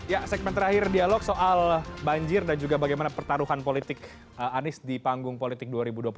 ya segmen terakhir dialog soal banjir dan juga bagaimana pertaruhan politik anies di panggung politik dua ribu dua puluh empat